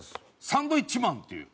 サンドウィッチまんっていう。